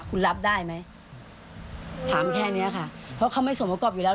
คุณรับได้ไหมถามแค่เนี้ยค่ะเพราะเขาไม่สมประกอบอยู่แล้ว